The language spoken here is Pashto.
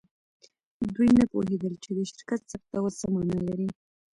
دوی نه پوهیدل چې د شرکت ثبتول څه معنی لري